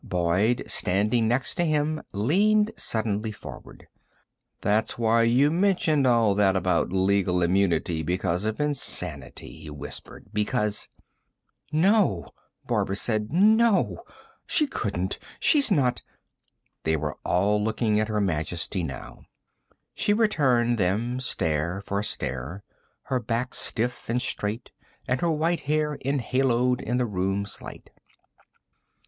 Boyd, standing next to him, leaned suddenly forward. "That's why you mentioned all that about legal immunity because of insanity," he whispered. "Because " "No," Barbara said. "No. She couldn't ... she's not " They were all looking at Her Majesty, now. She returned them stare for stare, her back stiff and straight and her white hair enhaloed in the room's light.